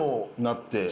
なって。